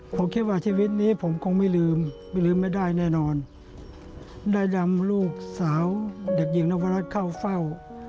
ผมคิดว่าชีวิตนี้ผมคงไม่ลืมไม่ลืมไม่ได้แน่นอนได้นำลูกสาวเด็กหญิงนพรัชเข้าเฝ้า